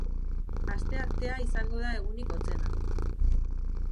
Asteartea izango da egunik hotzena.